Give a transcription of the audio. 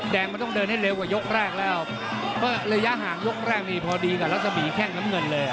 แดงมันต้องเดินให้เร็วกว่ายกแรกแล้วระยะห่างยกแรกนี่พอดีกับรัศมีแข้งน้ำเงินเลย